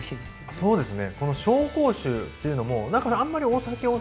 そうですね。